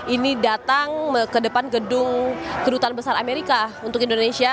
ini datang ke depan gedung kedutaan besar amerika untuk indonesia